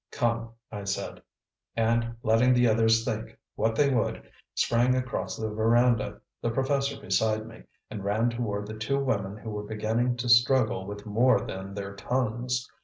"Come," I said, and, letting the others think what they would, sprang across the veranda, the professor beside me, and ran toward the two women who were beginning to struggle with more than their tongues.